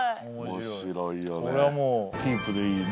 これはもうキープでいいね。